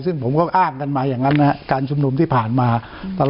ซึ่งผมก็อ้างกันมาอย่างนั้นนะครับการชุมนุมที่ผ่านมาตลอด